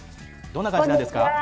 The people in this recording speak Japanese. どんな感じなんですか。